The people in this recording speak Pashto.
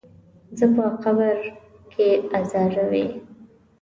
زه په قبر کې ازاروي.